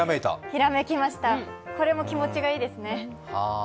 ひらめきましたこれも気持ちがいいですね。